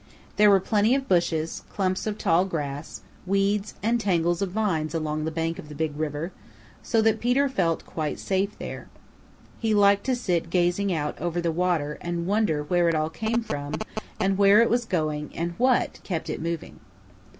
There were plenty of bushes, clumps of tall grass, weeds and tangles of vines along the bank of the Big River, so that Peter felt quite safe there. He liked to sit gazing out over the water and wonder where it all came from and where it was going and what, kept it moving.